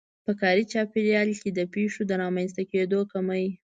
په کاري چاپېريال کې د پېښو د رامنځته کېدو کمی.